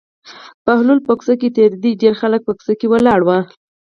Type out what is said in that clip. بهلول په کوڅه کې تېرېده ډېر خلک په کوڅه کې ولاړ وو.